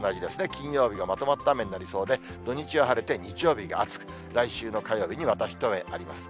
金曜日がまとまった雨になりそうで、土日は晴れて日曜日が暑く、来週の火曜日にまた一雨あります。